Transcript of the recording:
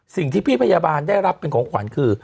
สิ่งที่พี่พยาบาลได้รับเป็นของขวัญคือ